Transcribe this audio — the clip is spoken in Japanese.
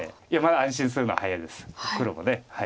いやまだ安心するのは早いです黒も。